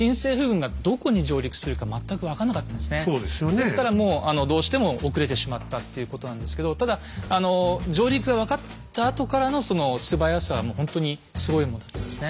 ですからもうどうしても遅れてしまったっていうことなんですけどただ上陸が分かったあとからのその素早さはもうほんとにすごいものだったんですね。